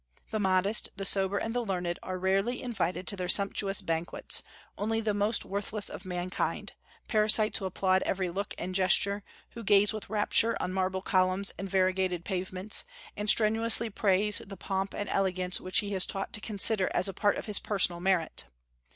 The modest, the sober, and the learned are rarely invited to their sumptuous banquets, only the most worthless of mankind, parasites who applaud every look and gesture, who gaze with rapture on marble columns and variegated pavements, and strenuously praise the pomp and elegance which he is taught to consider as a part of his personal merit.